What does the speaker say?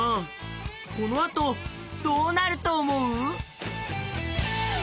このあとどうなるとおもう？